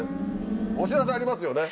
お知らせありますよね？